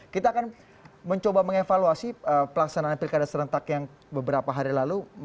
kita akan mencoba mengevaluasi pelaksanaan pilkada serentak yang beberapa hari lalu